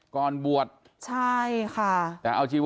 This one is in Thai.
ก่อนบวช